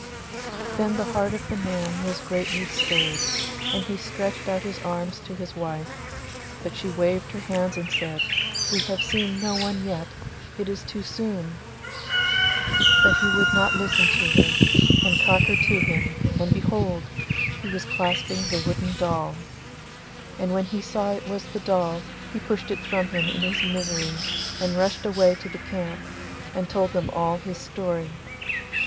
Then the heart of the man was greatly stirred, and he stretched out his arms to his wife, but she waved her hands and said, 'We have seen no one yet; it is too soon.' But he would not listen to her, and caught her to him, and behold! he was clasping the wooden doll. And when he saw it was the doll he pushed it from him in his misery and rushed away to the camp, and told them all his story.